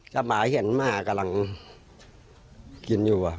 กลับมาเห็นมากกำลังกินอยู่